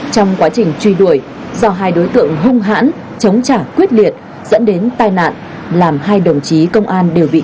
trong quá trình truy đuổi do hai đối tượng hung hãn chống trả quyết liệt dẫn đến tai nạn làm hai đồng chí công an đều bị